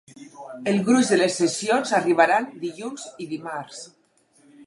El gruix de les sessions arribaran dilluns i dimarts.